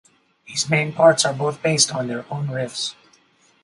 These main parts are both based on their own riffs.